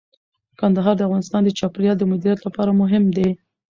کندهار د افغانستان د چاپیریال د مدیریت لپاره مهم دي.